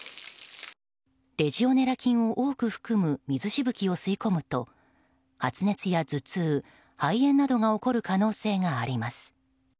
レジオネラ菌を多く含む水しぶきを吸い込むと発熱や頭痛、肺炎などが起こる可能性があります。